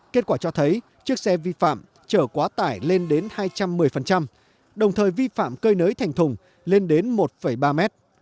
kết quả cho thấy chiếc xe vi phạm chở quá tải lên đến hai trăm một mươi đồng thời vi phạm cơi nới thành thùng lên đến một ba mét